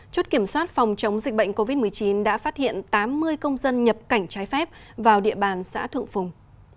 chốt kiểm soát phòng chống dịch bệnh covid một mươi chín đã phát hiện tám mươi công dân nhập cảnh trái phép vào địa bàn xã thượng phùng